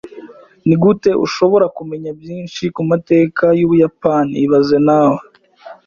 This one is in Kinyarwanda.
Nigute ushobora kumenya byinshi ku mateka y'Ubuyapani ibaze nawe